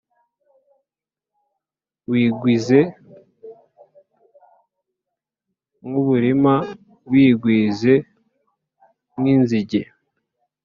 wigwize nk’uburima wigwize nk’inzige.